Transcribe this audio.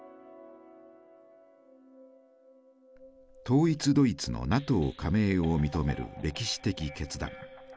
統一ドイツのＮＡＴＯ加盟を認める歴史的決断。